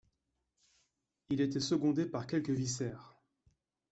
Il était secondé par quelques vicaires.